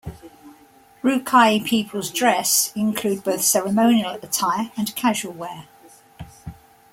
Rukai people's dress include both ceremonial attire and casual wear.